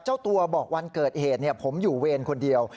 เจ้าตัวบอกวันเกิดเหตุผมอยู่เวรคนเดียว